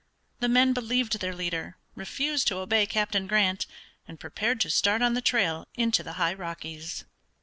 The men believed their leader, refused to obey Captain Grant, and prepared to start on the trail into the high Rockies.